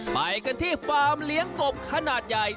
ไปกันที่ฟาร์มเลี้ยงกบขนาดใหญ่